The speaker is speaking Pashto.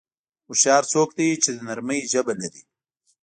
هوښیار څوک دی چې د نرمۍ ژبه لري.